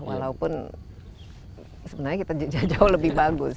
walaupun sebenarnya kita jauh lebih bagus